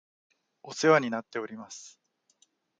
お世話になっております